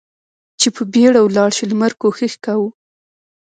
چې په بېړه ولاړ شو، لمر کوښښ کاوه.